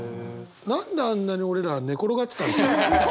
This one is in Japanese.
何であんなに俺ら寝転がってたんですかね？